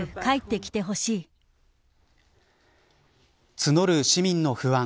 募る市民の不安。